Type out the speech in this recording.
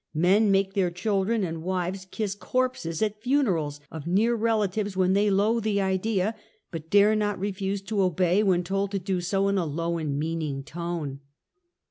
Men make their children and wives kiss corpses at funerals of near relatives when they loath the idea, but dare not refuse to obey when told to do* so in a low and meaning tone.